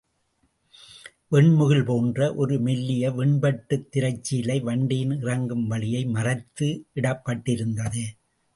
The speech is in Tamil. வெண் முகில் போன்று ஒரு மெல்லிய வெண்பட்டுத் திரைச் சீலை வண்டியின் இறங்கும் வழியை மறைத்து இடப்பட்டிருந்தது.